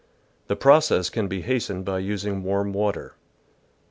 The process can be hastened by using warm water.